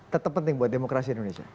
tetap penting buat demokrasi indonesia